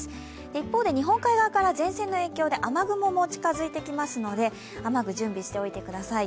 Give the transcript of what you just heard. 一方で日本海側から前線の影響で雨雲も近づいてきますので、雨具準備しておいてください。